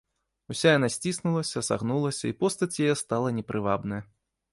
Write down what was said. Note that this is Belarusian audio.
Уся яна сціснулася, сагнулася, і постаць яе стала непрывабная.